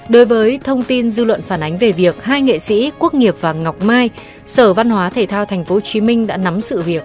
đối với thông tin dư luận phản ánh về việc hai nghệ sĩ quốc nghiệp và ngọc mai sở văn hóa thể thao tp hcm đã nắm sự việc